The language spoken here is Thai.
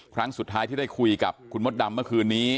ครั้งสุดท้ายที่ได้คุยกับคุณมดดำเมื่อคืนนี้